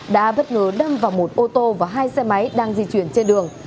đã bất ngờ đâm vào một ô tô và hai xe máy đang di chuyển trên đường